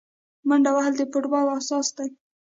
منډه وهل د فوټبال اساس دی.